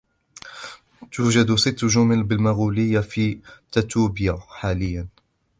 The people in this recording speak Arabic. توجد ست جمل بالمغولية في تتويبا حاليا.